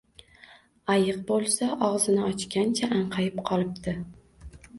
Ayiq bo’lsa, og’zini ochgancha anqayib qolibdi